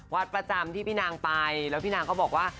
วัดประจำที่พี่นางไปแล้วพี่นางก็บอกว่า